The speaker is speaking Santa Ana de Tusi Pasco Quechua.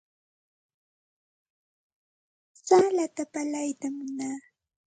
Salata pallaytam munaa.